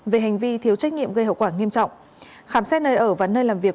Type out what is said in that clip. về hành vi thiếu trách nhiệm gây hậu quả nghiêm trọng khám xét nơi ở và nơi làm việc